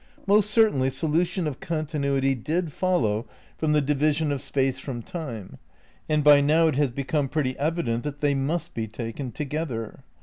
Most certainly solution of continuity did follow from the division of Space from Time, and by now it has become pretty evident that they must be taken to gether.